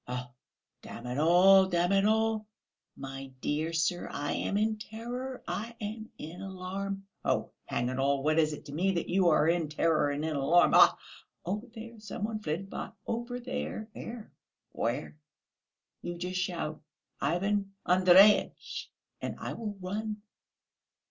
"Oh, damn it all, damn it all!..." "My dear sir, I am in terror, I am in alarm!" "Oh, hang it! What is it to me that you are in terror and in alarm? Ah! Over there ... some one flitted by ... over there...." "Where, where? You just shout, 'Ivan Andreyitch,' and I will run...."